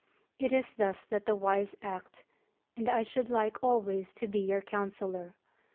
It is thus that the wise act, and I should like always to be your counsellor.